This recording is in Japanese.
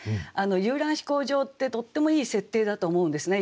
遊覧飛行場ってとってもいい設定だと思うんですね。